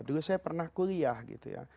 dulu saya pernah kuliah gitu ya